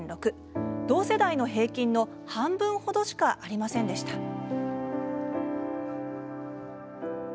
同世代の平均の半分ほどしかありませんでした。